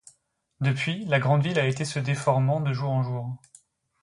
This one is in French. Depuis, la grande ville a été se déformant de jour en jour.